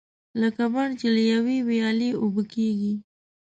لکه بڼ چې له یوې ویالې اوبه کېږي.